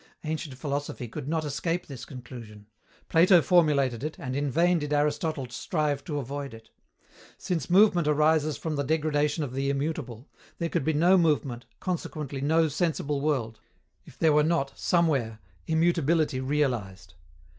Ancient philosophy could not escape this conclusion. Plato formulated it, and in vain did Aristotle strive to avoid it. Since movement arises from the degradation of the immutable, there could be no movement, consequently no sensible world, if there were not, somewhere, immutability realized.